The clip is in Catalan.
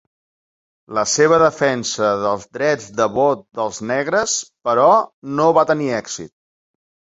La seva defensa dels drets de vot dels negres, però, no va tenir èxit.